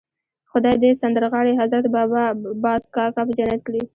خدای دې سندرغاړی حضرت باز کاکا په جنت کړي.